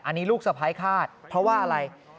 อันนี้ลูกสะพ้ายคาดเพราะว่าอะไร